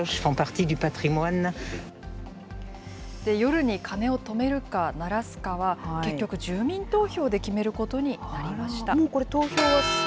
夜に鐘を止めるか、鳴らすかは、結局、住民投票で決めることになりました。